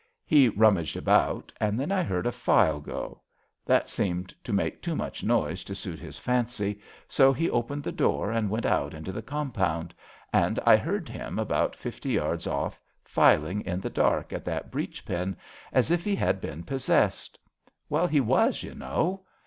He rummaged about, and then I heard a file go.^ That seemed to make too much noise to suit his fancy, so he opened the door and went out into the compound, and I heard him, about fifty yards off, filing in the dark at that breech pin as if he had been possessed. Well, he was, you know.